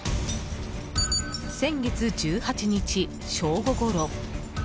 先月１８日、正午ごろ。